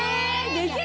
できる？